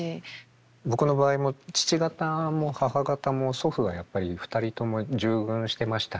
僕の場合も父方も母方も祖父がやっぱり２人とも従軍してましたね。